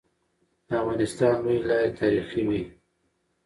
د افغانستان لويي لاري تاریخي وي.